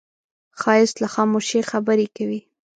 ښایست له خاموشۍ خبرې کوي